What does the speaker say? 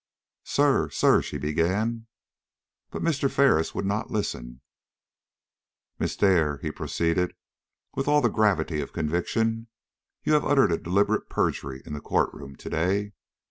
"Sir sir " she began. But Mr. Ferris would not listen. "Miss Dare," he proceeded with all the gravity of conviction, "you have uttered a deliberate perjury in the court room to day.